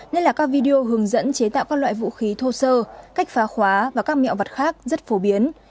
nhất là các video hướng dẫn chế tạo các loại vũ khí thô sơ cách phá khóa và các mẹo vật khác rất phổ biến